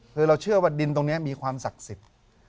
คือเราเชื่อว่าดินตรงนี้มีความศักดิ์สิทธิ์